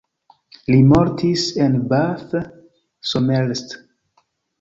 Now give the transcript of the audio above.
Li mortis en Bath, Somerset.